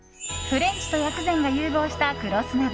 フレンチと薬膳が融合した食労寿鍋。